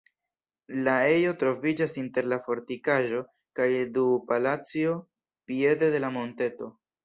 La ejo troviĝas inter la fortikaĵo kaj du palacoj piede de la monteto.